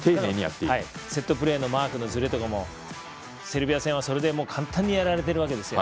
セットプレーのマークのずれとかもセルビア戦はそれで簡単にやられているわけです。